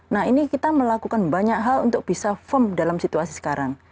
nah ini kita melakukan banyak hal untuk bisa firm dalam situasi sekarang